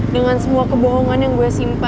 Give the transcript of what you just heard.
dengan semua kebohongan yang gue simpan